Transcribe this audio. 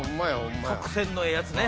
特選のええやつね。